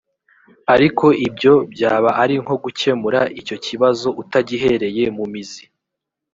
ariko ibyo byaba ari nko gukemura icyo kibazo utagihereye mu mizi